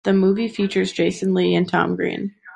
The movie features Jason Lee and Tom Green.